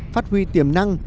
phát huy tiềm năng